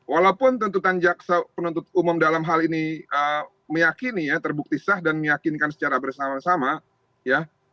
walaupun tuntutan jaksa penuntut umum dalam hal ini meyakini ya terbukti sah dan meyakinkan secara bersama sama ya